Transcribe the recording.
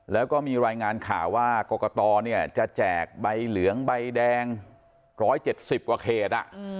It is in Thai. แล้วก็มีรายงานข่าวว่ากรกตจะแจกใบเหลืองใบแดง๑๗๐กว่าเขต